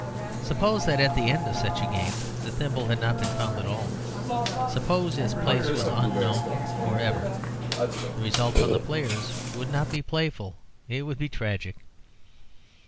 Suppose that at the end of such a game the thimble had not been found at all; suppose its place was unknown for ever: the result on the players would not be playful, it would be tragic.